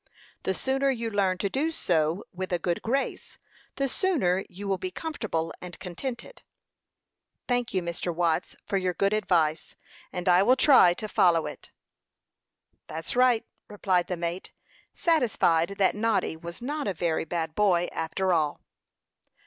The sooner you learn to do so with a good grace, the sooner you will be comfortable and contented." "Thank you, Mr. Watts, for your good advice, and I will try to follow it." "That's right," replied the mate, satisfied that Noddy was not a very bad boy, after all.